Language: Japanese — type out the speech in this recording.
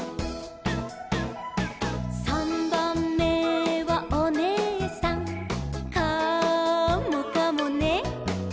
「さんばんめはおねえさん」「カモかもね」